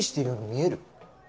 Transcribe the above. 見える。